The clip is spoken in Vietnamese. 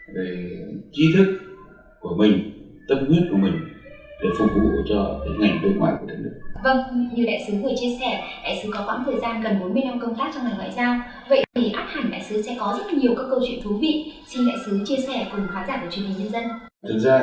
về chi thức của mình tâm huyết của mình được phục vụ cho cái ngành đối ngoại của thân nước